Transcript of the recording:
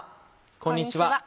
こんにちは。